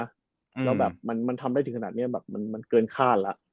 แล้วแบบมันทำได้ถึงขนาดนี้มันเกินข้าดละ